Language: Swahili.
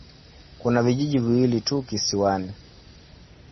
Kuna vijiji viwili tu kisiwani.